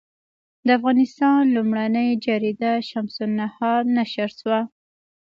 د افغانستان لومړنۍ جریده شمس النهار نشر شوه.